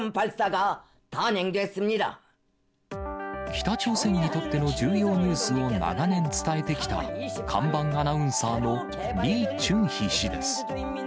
北朝鮮にとっての重要ニュースを長年伝えてきた、看板アナウンサーのリ・チュンヒ氏です。